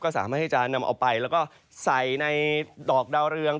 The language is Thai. สามารถที่จะนำเอาไปแล้วก็ใส่ในดอกดาวเรือง